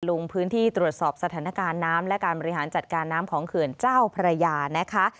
ลงพื้นที่ตรวจสอบสถานการณ์น้ำและการบริหารจัดการน้ำของเขื่อนเจ้าพระยานะคะ